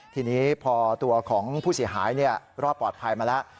ทีนี้พอตัวของผู้เสียหายรอดปลอดภัยมาแล้ว